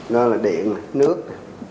nó là điện nước